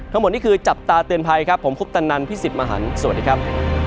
ทั้งหมดนี้คือจับตาเตือนภัยครับผมพุทธนันทร์พี่สิบมหันต์สวัสดีครับ